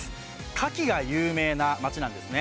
牡蠣が有名な街なんですね。